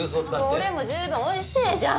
これも十分おいしいじゃん。